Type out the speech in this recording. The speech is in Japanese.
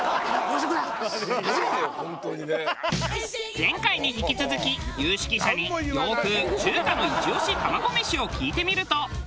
前回に引き続き有識者に洋風中華のイチ押し卵メシを聞いてみると。